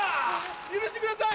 許してください。